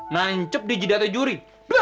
nancep di jidatnya juri